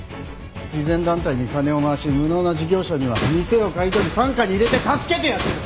慈善団体に金を回し無能な事業者には店を買い取り傘下に入れて助けてやってる！